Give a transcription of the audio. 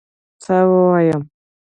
څه ووایم